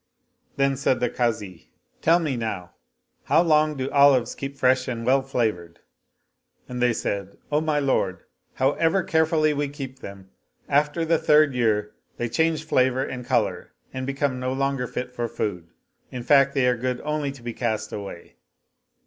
Then said the Kazi, " Tell me now, how long do olives keep fresh 131 Oriental Mystery Stories and well flavored?" and said they, "O my lord, however carefully we keep them, after the third year they change flavor and color and become no longer fit for food, in fact they are good only to be cast away."